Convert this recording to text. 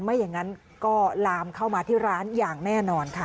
ไม่อย่างนั้นก็ลามเข้ามาที่ร้านอย่างแน่นอนค่ะ